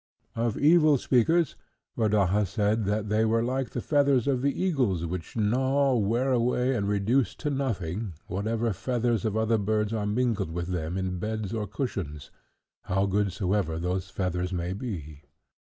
Of evil speakers Rodaja said, that they were like the feathers of the eagle which gnaw, wear away, and reduce to nothing, whatever feathers of other birds are mingled with them in beds or cushions, how good soever those feathers may be.